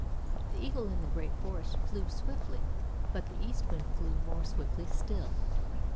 The eagle in the great forest flew swiftly, but the Eastwind flew more swiftly still.